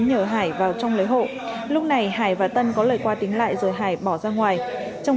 nhờ hải vào trong lấy hộ lúc này hải và tân có lời qua tính lại rồi hải bỏ ra ngoài trong